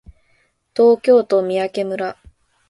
東京都三宅村